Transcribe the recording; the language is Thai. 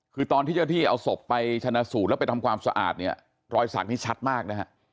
คือตอนที่เจ้าที่เอาศพไปชนะสูตรแล้วไปทำความสะอาดเนี่ยรอยสักนี้ชัดมากนะฮะ